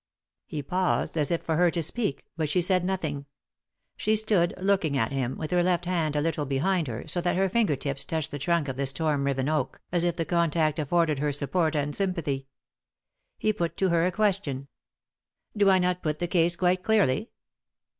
He paused, as if for her to speak, but she said nothing. She stood looking at him, with her left hand held a little behind her, so that her finger tips touched the trunk of the storm riven oak, as if the contact afforded her support and sympathy. He put to her a question. " Do I not put the case quite clearly